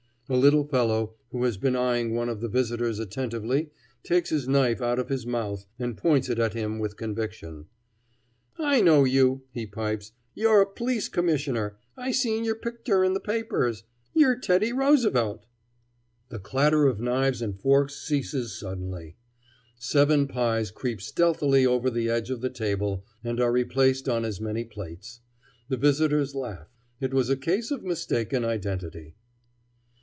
A little fellow who has been eying one of the visitors attentively takes his knife out of his mouth, and points it at him with conviction. "I know you," he pipes. "You're a p'lice commissioner. I seen yer picter in the papers. You're Teddy Roosevelt!" The clatter of knives and forks ceases suddenly. Seven pies creep stealthily over the edge of the table, and are replaced on as many plates. The visitors laugh. It was a case of mistaken identity.